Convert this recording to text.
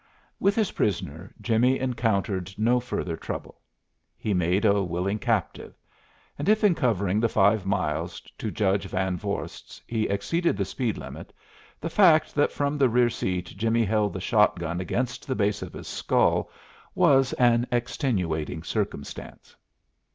With his prisoner Jimmie encountered no further trouble. He made a willing captive. And if in covering the five miles to Judge Van Vorst's he exceeded the speed limit, the fact that from the rear seat Jimmie held the shotgun against the base of his skull was an extenuating circumstance.